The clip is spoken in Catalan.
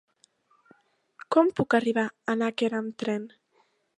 Com puc arribar a Nàquera amb tren?